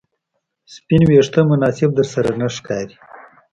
سپین ویښته مناسب درسره نه ښکاري